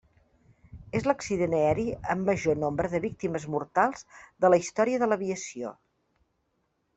És l'accident aeri amb major nombre de víctimes mortals de la història de l'aviació.